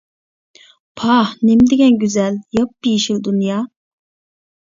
پاھ، نېمە دېگەن گۈزەل، ياپيېشىل دۇنيا!